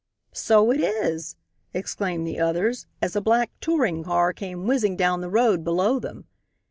"So it is," exclaimed the others, as a black touring car came whizzing down the road below them.